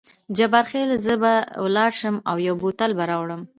جبار خان: زه به ولاړ شم او یو بوتل به راوړم.